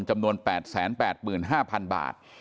จำนวน๘๘๕๐๐๐บาท